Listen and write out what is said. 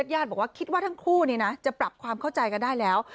ญาติบอกว่าคิดว่าทั้งคู่จะปรับความเข้าใจกันได้แล้ว